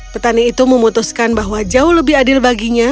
petani itu memutuskan bahwa jauh lebih adil baginya